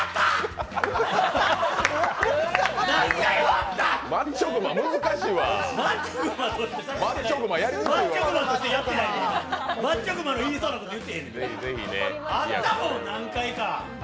あったもん何回か。